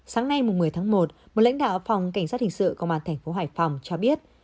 sáng nay một mươi tháng một một lãnh đạo phòng cảnh sát hình sự công an thành phố hải phòng cho biết